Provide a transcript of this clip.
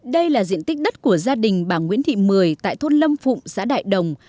đây là diện tích đất của gia đình bà nguyễn thị mười tại thôn lâm phụng xã đại đồng